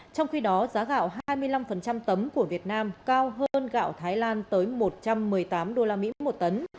trong khi đó giá gạo hai mươi năm tấm của việt nam cao hơn gạo thái lan tới một trăm một mươi tám đô la mỹ một tấn